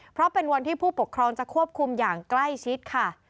เพราะเป็นวันที่ผู้ปกครองจะควบคุมอย่างใกล้ชิดค่ะ